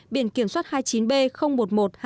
biển kiểm soát hai mươi chín b một mươi một hai mươi hai